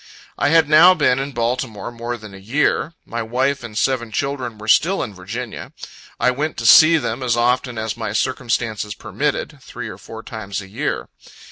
... I had now been in Baltimore more than a year. My wife and seven children were still in Virginia. I went to see them as often as my circumstances permitted three or four times a year.